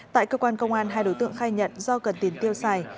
tại cơ quan công an hai đối tượng khai nhận do cần tiền tiêu xài